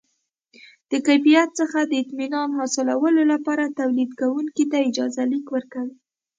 د کیفیت څخه د اطمینان حاصلولو وروسته تولیدوونکي ته اجازه لیک ورکوي.